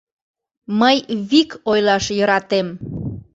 — Мый вик ойлаш йӧратем.